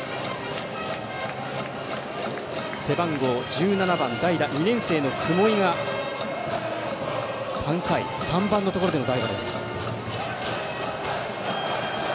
背番号１７番２年生の雲井が３回３番のところでの代打です。